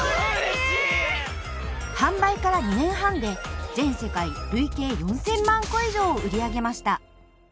［販売から２年半で全世界累計４，０００万個以上を売り上げました］